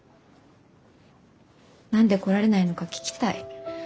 何で来られないのか聞きたい。